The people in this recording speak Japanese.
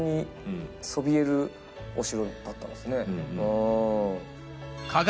だったんですね。